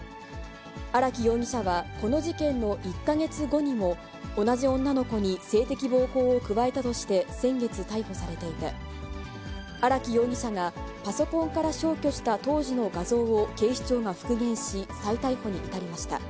荒木容疑者は、この事件の１か月後にも、同じ女の子に性的暴行を加えたとして先月、逮捕されていて、荒木容疑者がパソコンから消去した当時の画像を警視庁が復元し、再逮捕に至りました。